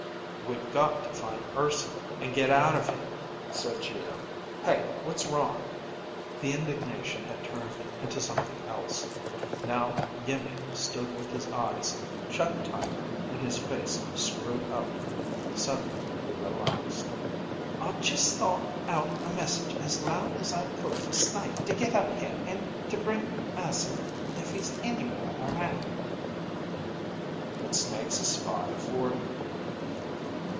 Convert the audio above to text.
"We've got to find Urson and get out of here," said Geo. "Hey, what's wrong?" The indignation had turned into something else. Now Iimmi stood with his eyes shut tight and his face screwed up. Suddenly he relaxed. "I just thought out a message as loud as I could for Snake to get up here and to bring Urson if he's anywhere around." "But Snake's a spy for